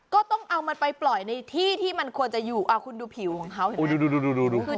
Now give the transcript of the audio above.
ก็ต้องเอามันไปปล่อยในที่ที่มันควรจะอยู่คุณดูผิวของเขาเห็นไหม